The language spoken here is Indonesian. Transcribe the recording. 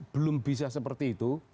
belum bisa seperti itu